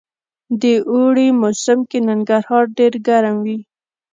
د اوړي موسم کي ننګرهار ډير ګرم وي